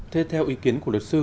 thế theo ý kiến của luật sư